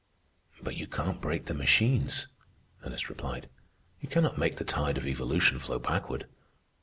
"But you can't break the machines," Ernest replied. "You cannot make the tide of evolution flow backward.